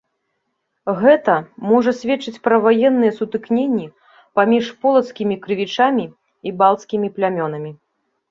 Гэта можа сведчыць пра ваенныя сутыкненні паміж полацкімі крывічамі і балцкімі плямёнамі.